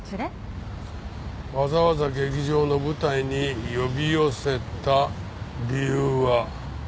わざわざ劇場の舞台に呼び寄せた理由は。